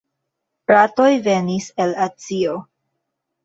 Ratoj venis el Azio.